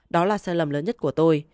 đó là sai lầm lớn nhất của tôi